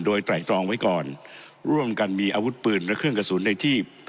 โดยไตรตรองไว้ก่อนร่วมกันมีอาวุธปืนและเครื่องกระสุนในที่